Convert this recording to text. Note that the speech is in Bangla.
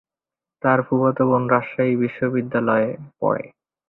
তার ফুফাতো বোন রাজশাহী বিশ্বনিদ্যালয়ে পড়ে।